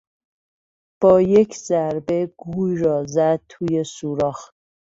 با یک ضربه گوی را زد توی سوراخ.